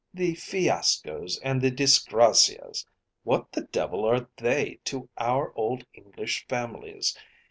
The Fiascos and the Disgrazias! What the devil are they to our old English families?